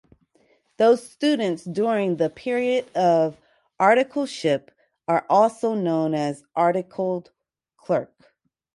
Those Students during the period of articleship are also known as Articled Clerk.